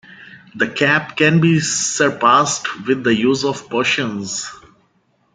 The cap can be surpassed with the use of potions.